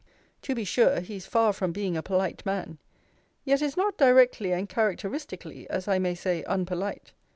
To be sure, he is far from being a polite man: yet is not directly and characteristically, as I may say, unpolite.